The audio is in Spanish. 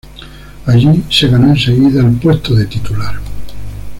Allí se ganó enseguida el puesto de titular.